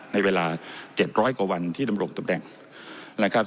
ในเวลา๗๐๐กว่าวันที่ดำรงตำแหน่งนะครับ